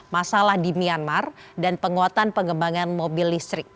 masalah di myanmar dan penguatan pengembangan mobil listrik